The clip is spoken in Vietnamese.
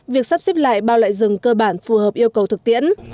việc sắp xếp lại bao loại rừng cơ bản phù hợp yêu cầu thực tiễn